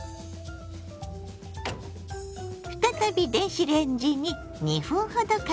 再び電子レンジに２分ほどかけます。